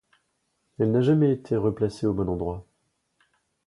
Elle n'a jamais été replacée au bon endroit.